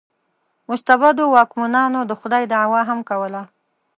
مستبدو واکمنانو د خدایي دعوا هم کوله.